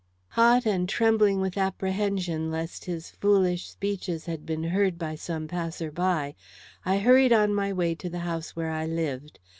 Hot and trembling with apprehension lest his foolish speeches had been heard by some passer by, I hurried on my way to the house where I lived.